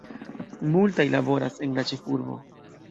Multaj laboras en la ĉefurbo.